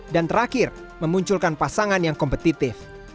dan terakhir memunculkan pasangan yang kompetitif